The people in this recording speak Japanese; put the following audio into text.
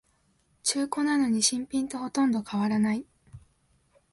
中古なのに新品とほとんど変わらない